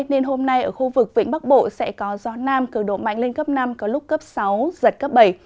nên hôm nay ở khu vực vĩnh bắc bộ sẽ có gió nam cường độ mạnh lên cấp năm có lúc cấp sáu giật cấp bảy